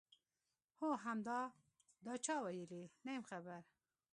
هو همدا، دا چا ویلي؟ نه یم خبر.